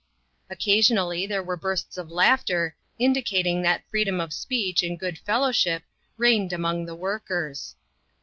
Occasionally there were bursts of laughter, indicating that freedom of speech and good fellowship reigned among the workers.